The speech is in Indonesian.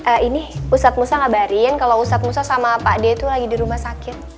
eh ini ustadz musa ngabarin kalau ustadz musa sama pak d itu lagi di rumah sakit